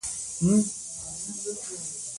د کابل سیند د افغانستان د بڼوالۍ یوه برخه ده.